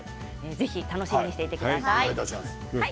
楽しみにしていてください。